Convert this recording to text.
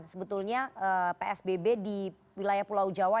sebetulnya psbb di wilayah pulau jawa